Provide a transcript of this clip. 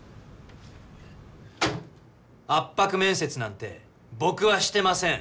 圧迫面接なんて僕はしてません。